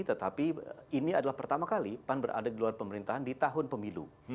tetapi ini adalah pertama kali pan berada di luar pemerintahan di tahun pemilu